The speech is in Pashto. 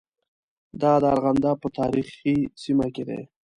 دا د ارغنداب په تاریخي سیمه کې دي.